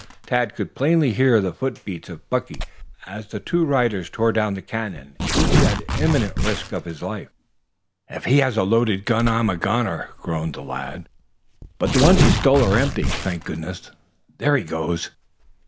Tad could plainly hear the foot beats of Buckey as the two riders tore down the Canyon, each at the imminent risk of his life. "If he has a loaded gun, I'm a goner," groaned the lad. "But the ones he stole are empty, thank goodness! There he goes!"